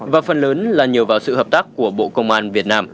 và phần lớn là nhờ vào sự hợp tác của bộ công an việt nam